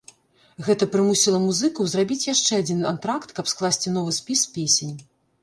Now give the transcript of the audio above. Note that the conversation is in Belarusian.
Гэта прымусіла музыкаў зрабіць яшчэ адзін антракт, каб скласці новы спіс песень.